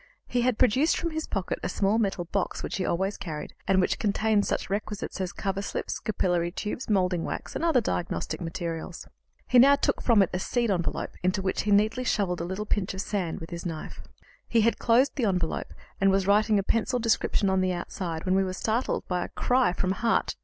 He had produced from his pocket a small metal box which he always carried, and which contained such requisites as cover slips, capillary tubes, moulding wax, and other "diagnostic materials." He now took from it a seed envelope, into which he neatly shovelled the little pinch of sand with his knife. He had closed the envelope, and was writing a pencilled description on the outside, when we were startled by a cry from Hart.